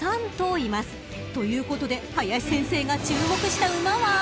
［ということで林先生が注目した馬は］